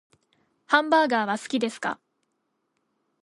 ハンバーガーは好きですか？